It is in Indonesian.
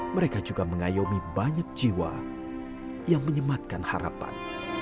mereka juga mengayomi banyak jiwa yang menyematkan harapan